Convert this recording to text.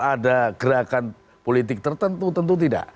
ada gerakan politik tertentu tentu tidak